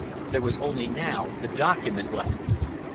There was only now the document left.